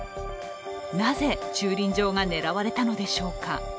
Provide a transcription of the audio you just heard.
なぜ駐輪場が狙われたのでしょうか。